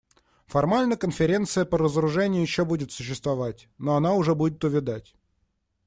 Формально Конференция по разоружению еще будет существовать, но она уже будет увядать.